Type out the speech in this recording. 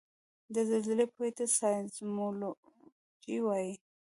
د زلزلې پوهې ته سایزمولوجي وايي